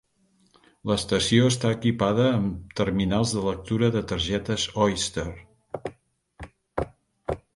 L'estació està equipada amb de terminals de lectura de targetes Oyster.